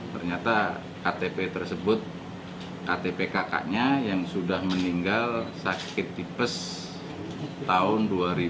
ternyata ktp tersebut ktp kakaknya yang sudah meninggal sakit tipes tahun dua ribu dua